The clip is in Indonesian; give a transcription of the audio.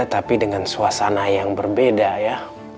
tapi dengan suasana yang berbeda ya